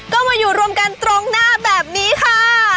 ก็มาอยู่รวมกันตรงหน้าแบบนี้ค่ะ